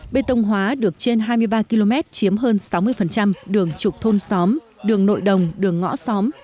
bê tông hóa được trên hai mươi ba km chiếm hơn sáu mươi đường trục thôn xóm đường nội đồng đường ngõ xóm